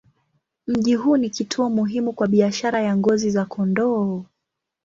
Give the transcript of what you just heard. Mji huu ni kituo muhimu kwa biashara ya ngozi za kondoo.